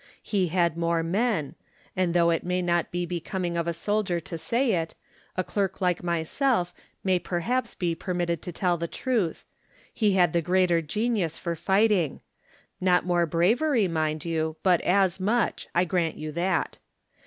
He had more men; and though it may not be becoming of a soldier to say it, a clerk like myself may perhaps be per Digitized by Google THE NINTH MAN nutted to tell the truth: he had the greater genius for fighting — ^not more bravery, mind you, but as much; I grant you that.